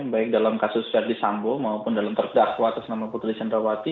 baik dalam kasus ferdis sambu maupun dalam terdakwa atas nama putri candrawati